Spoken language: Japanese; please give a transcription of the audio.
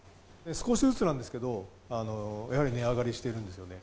少しずつなんですけど、やはり値上がりしてるんですよね。